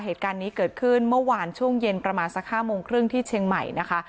เหตุการณ์นี้เกิดขึ้นเมื่อวานช่วงเย็นประมาณสัก๕โมงครึ่งที่เชียงใหม่นะคะ